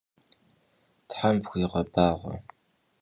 Them pxuiğebağue!